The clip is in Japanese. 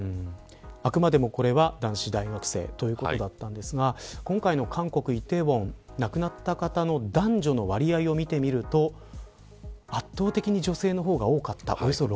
あくまでもこれは男子大学生ということですが今回、韓国の梨泰院は亡くなった方の男女の割合を見てみると圧倒的に女性の方が多かった。